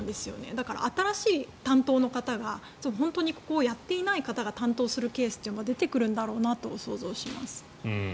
だから新しい担当の方が本当にここをやっていない方が担当するケースが出てくるんだろうと想像します。